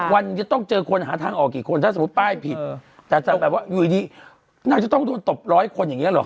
วันจะต้องเจอคนหาทางออกกี่คนถ้าสมมุติป้ายผิดแต่จะแบบว่าอยู่ดีนางจะต้องโดนตบร้อยคนอย่างนี้หรอ